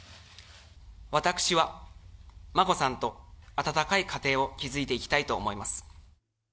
私は眞子さんと温かい家庭を築いていきたいと思います。